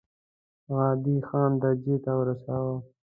عادي خان درجې ته ورساوه.